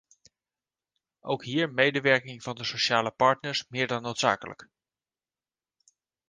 Ook hier medewerking van de sociale partners, meer dan noodzakelijk.